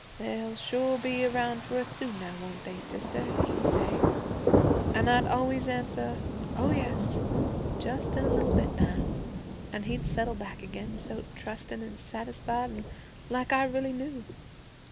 "They'll sure be around for us soon now, won't they, sister?" he'd say. An' I'd always answer, "Oh, yes, just in a little bit now." An' he'd settle back again, so trusting an' satisfied, an' like I really knew.